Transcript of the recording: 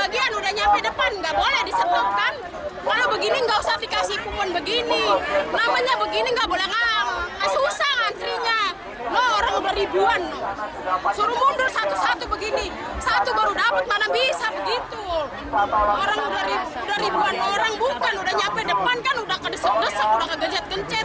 pesan pesan yang diadakan oleh pemerintah dan pemerintah yang berpengalaman